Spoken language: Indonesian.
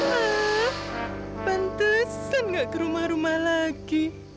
ah pantasan gak ke rumah rumah lagi